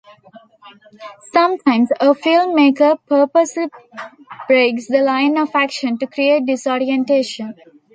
Sometimes a filmmaker purposely breaks the line of action to create disorientation.